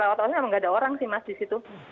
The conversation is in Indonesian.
lewat lewat memang nggak ada orang sih mas di situ